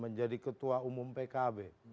menjadi ketua umum pkb